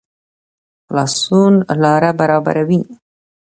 خلاصون لاره برابروي